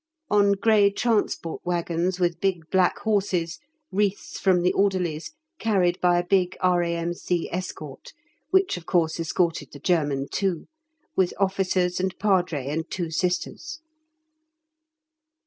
On grey transport waggons with big black horses, wreaths from the Orderlies, carried by a big R.A.M.C. escort (which, of course, escorted the German too), with Officers and Padre and two Sisters.